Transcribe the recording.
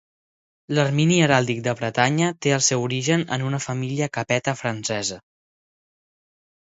L'ermini heràldic de Bretanya té el seu origen en una família capeta francesa.